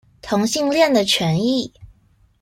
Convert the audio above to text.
同性戀的權利